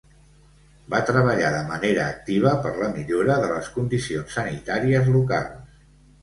Va treballar de manera activa per la millora de les condicions sanitàries locals.